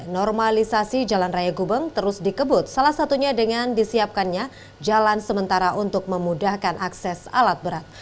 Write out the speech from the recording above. normalisasi jalan raya gubeng terus dikebut salah satunya dengan disiapkannya jalan sementara untuk memudahkan akses alat berat